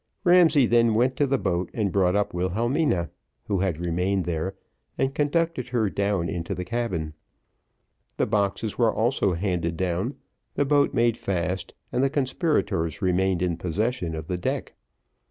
Ramsay then went to the boat, and brought up Wilhelmina, who had remained there, and conducted her down into the cabin. The boxes were also handed down, the boat made fast, and the conspirators remained in possession of the deck.